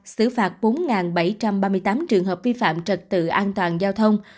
xử phạt bốn bảy trăm ba mươi tám trường hợp vi phạm trật tự an toàn giao thông